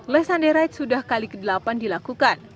less sunday ride sudah kali ke delapan dilakukan